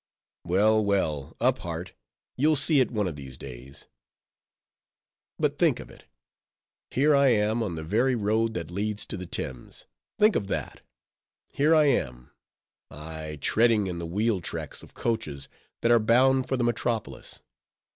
Well, well, up heart, you'll see it one of these days. But think of it! here I am on the very road that leads to the Thames—think of _that!—_here I am—ay, treading in the wheel tracks of coaches that are bound for the metropolis!